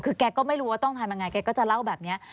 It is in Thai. คือแกก็ไม่รู้ว่าต้องทำยังไงแกก็จะเล่าแบบนี้